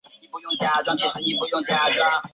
生于北京。